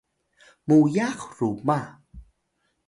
muyax ruma